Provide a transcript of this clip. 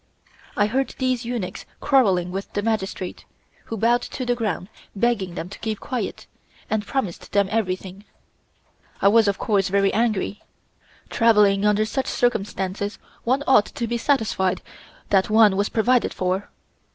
I heard these eunuchs quarreling with the Magistrate, who bowed to the ground, begging them to keep quiet, and promised them everything. I was of course very angry. Traveling under such circumstances one ought to be satisfied that one was provided for.